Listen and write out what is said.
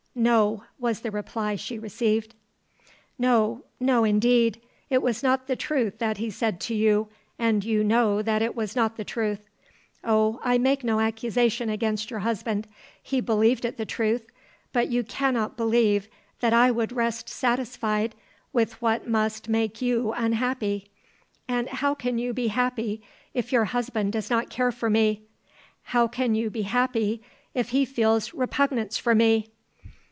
"No," was the reply she received. "No, no, indeed. It was not the truth that he said to you and you know that it was not the truth. Oh, I make no accusation against your husband; he believed it the truth; but you cannot believe that I would rest satisfied with what must make you unhappy. And how can you be happy if your husband does not care for me? How can you be happy if he feels repugnance for me?